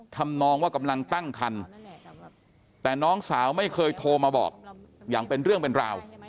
ทำนองว่ากำลังตั้งคันแต่น้องสาวไม่เคยโทรมาบอกอย่างเป็นเรื่องเป็นราว